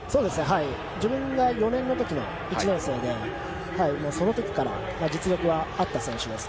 自分が４年の時の１年生でその時から実力はあった選手です。